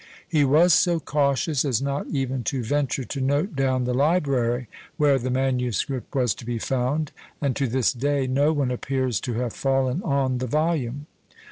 He was so cautious as not even to venture to note down the library where the manuscript was to be found, and to this day no one appears to have fallen on the volume!